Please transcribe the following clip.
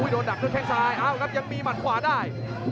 โดนดับด้วยแค่ไซด์อ้าวยังมีหมันขวาได้